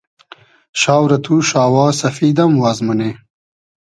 شاو رۂ تو شاوا سئفید ام واز مونی